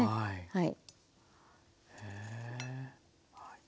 はい。